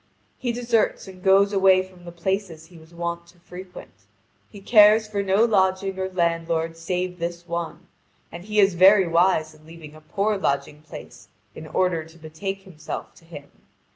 He deserts and goes away from the places he was wont to frequent. He cares for no lodging or landlord save this one, and he is very wise in leaving a poor lodging place in order to betake himself to him.